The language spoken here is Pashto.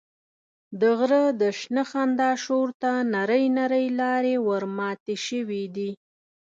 د غره د شنه خندا شور ته نرۍ نرۍ لارې ورماتې شوې دي.